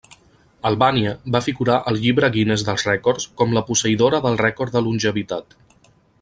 Albània va figurar al Llibre Guinness dels Rècords com la posseïdora del rècord de longevitat.